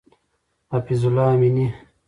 حفیظ الله امینی